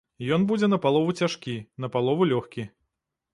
Ён будзе напалову цяжкі, напалову лёгкі.